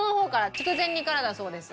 筑前煮からだそうです。